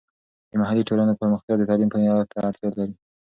د محلي ټولنو پرمختیا د تعلیم معیار ته اړتیا لري.